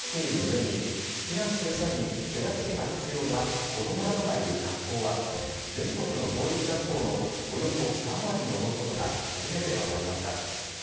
浸水や土砂災害の危険がある場所に立っているうえに避難する際に手助けが必要な子どもなどがいる学校は全国の公立学校のおよそ３割に上ることが初めてわかりました。